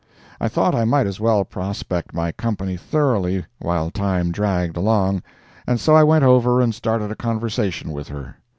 I thought I might as well prospect my company thoroughly while time dragged along, and so I went over and started a conversation with her.